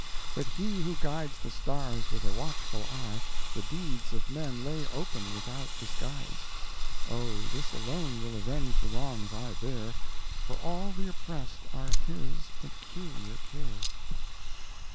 But He who guides the stars with a watchful eye, The deeds of men lay open without disguise; Oh, this alone will avenge the wrongs I bear, For all the oppressed are His peculiar care.